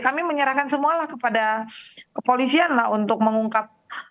kami menyerahkan semuanya kepada kepolisian untuk mengungkap